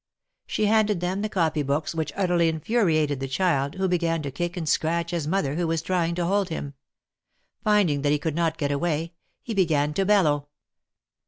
She handed them the copy books, which utterly infuri ated the child, who began to kick and scratch his mother, who was trying to hold him. Finding that he could not get away, he began to bellow.